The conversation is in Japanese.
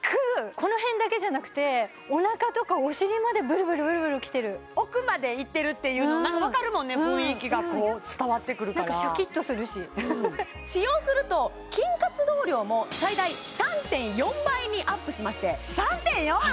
この辺だけじゃなくてお腹とかお尻までブルブルブルブルきてる奥までいってるっていうの何か分かるもんね雰囲気がこう伝わってくるからうん使用すると筋活動量も最大３．４倍にアップしまして３．４！？